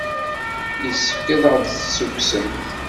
Yessefk ad aɣ-d-tessukksemt.